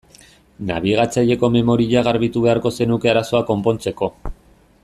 Nabigatzaileko memoria garbitu beharko zenuke arazoa konpontzeko.